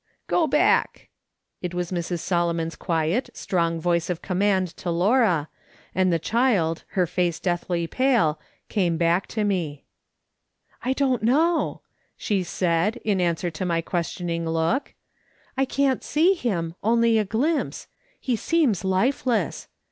" Go back !" It was Mrs. Solomon's quiet, strong voice of command to Laura, and the child, her face deathly pale, came back to me. " I don't know," she said, in answer to my ques tioning look. " I can't see him, only a glimpse ; he "YOU'VE HELPED ALONG IN THIS WORK." 231 seems lifeless.